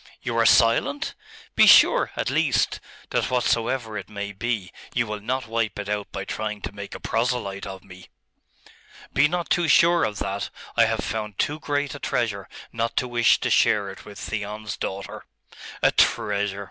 You are silent? Be sure, at least, that whatsoever it may be, you will not wipe it out by trying to make a proselyte of me!' 'Be not too sure of that. I have found too great a treasure not to wish to share it with Theon's daughter.' 'A treasure?